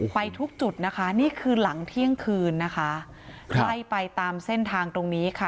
ไปทุกจุดนะคะนี่คือหลังเที่ยงคืนนะคะไล่ไปตามเส้นทางตรงนี้ค่ะ